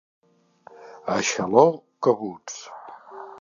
A Xaló, cabuts.